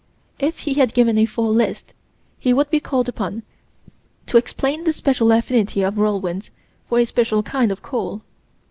If he had given a full list, he would be called upon to explain the special affinity of whirlwinds for a special kind of coal.